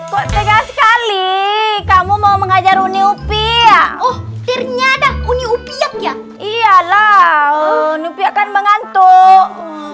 kok tegas kali kamu mau mengajar uni upia oh ternyata uni upia iyalah nupi akan mengantuk